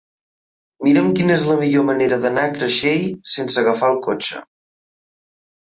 Mira'm quina és la millor manera d'anar a Creixell sense agafar el cotxe.